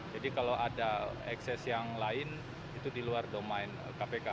jadi kalau ada ekses yang lain itu di luar domain kpk